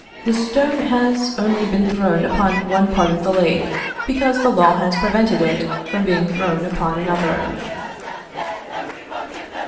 The stone has only been thrown upon one part of the lake, because the law has prevented it from being thrown upon another.